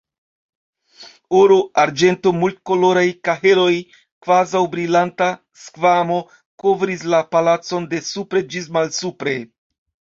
Oro, arĝento, multkoloraj kaheloj, kvazaŭ brilanta skvamo, kovris la palacon de supre ĝis malsupre.